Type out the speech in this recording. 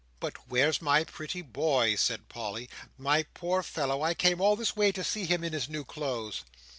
"But where's my pretty boy?" said Polly. "My poor fellow? I came all this way to see him in his new clothes."